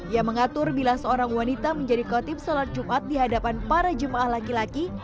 yang mengatur bila seorang wanita menjadi khotib sholat jumat dihadapan para jemaah laki laki